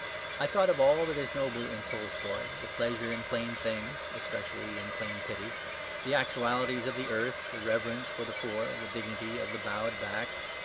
I thought of all that is noble in Tolstoy, the pleasure in plain things, especially in plain pity, the actualities of the earth, the reverence for the poor, the dignity of the bowed back.